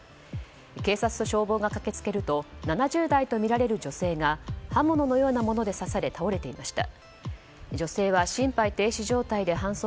警察と消防が駆けつけると７０代とみられる女性が刃物のようなもので刺され倒れていました。